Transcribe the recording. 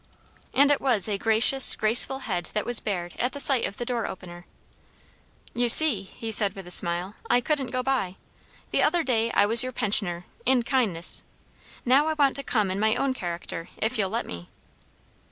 And it was a gracious, graceful head that was bared at the sight of the door opener. "You see," he said with a smile, "I couldn't go by! The other day I was your pensioner, in kindness. Now I want to come in my own character, if you'll let me."